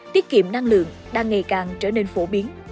tiết kiệm năng lượng đang ngày càng trở nên phổ biến